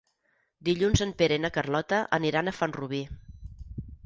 Dilluns en Pere i na Carlota aniran a Font-rubí.